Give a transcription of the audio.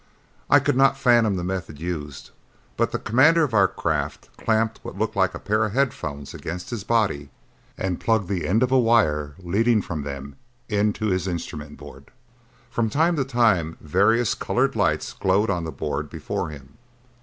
I could not fathom the method used, but the commander of our craft clamped what looked like a pair of headphones against his body and plugged the end of a wire leading from them into his instrument board. From time to time various colored lights glowed on the board before him.